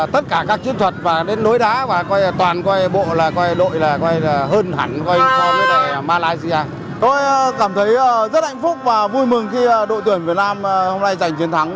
từ khi đội tuyển việt nam hôm nay giành chiến thắng